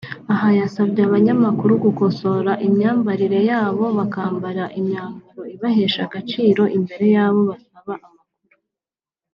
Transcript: aha yasabye abanyamakuru gukosora imyambarire yabo bakambara imyambaro ibahesha agaciro imbere y’abo basaba amakuru